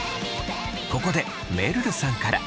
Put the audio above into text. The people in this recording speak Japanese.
ここでめるるさんから。